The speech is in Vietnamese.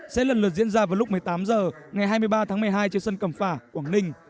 sẽ lần lượt diễn ra vào lúc một mươi tám h ngày hai mươi ba tháng một mươi hai trên sân cầm phả quảng ninh